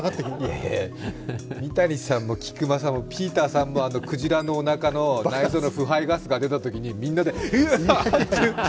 いやいや、三谷さんも菊間さんもピーターさんも鯨のおなかの内臓の腐敗ガスが出たときにみんなでう！っていって。